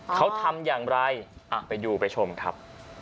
เขาทำอย่างไรไปดูไปชมครับ